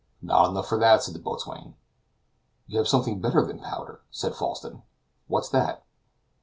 "Not enough for that," said the boatswain. "You have something better than powder," said Falsten. "What's that?"